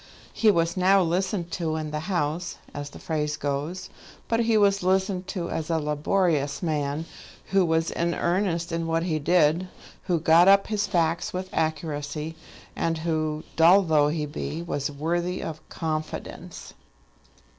He was now listened to in the House, as the phrase goes; but he was listened to as a laborious man, who was in earnest in what he did, who got up his facts with accuracy, and who, dull though he be, was worthy of confidence.